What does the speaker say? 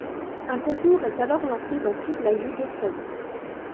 Un concours est alors lancé dans toute la Yougoslavie.